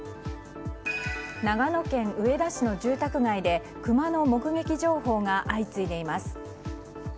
長野県上田市の住宅街でクマの目撃情報が相次いでいます。